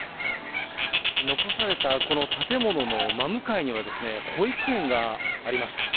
残されたこの建物の真向かいには、保育園があります。